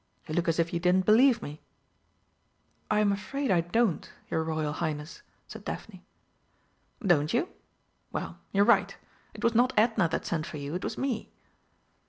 You look as if you didn't believe me." "I'm afraid I don't, your Royal Highness," said Daphne. "Don't you? Well, you're right. It was not Edna that sent for you. It was me."